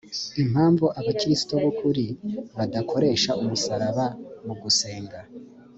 impamvu abakristo b’ukuri badakoresha umusaraba mu gusenga